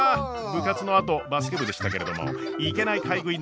部活のあとバスケ部でしたけれどもいけない買い食い